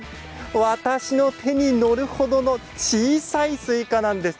私の手によるほどの小さいスイカです。